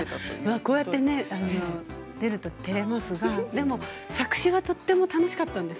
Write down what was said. こうやって出すとてれますが作詞はとても楽しかったんです。